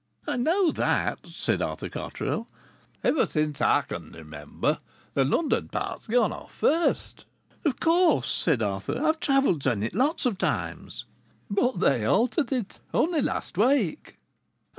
"I know that," said Arthur Cotterill. "Ever since I can remember the London part has gone off first." "Of course," said Arthur; "I've travelled by it lots of times." "But they altered it only last week."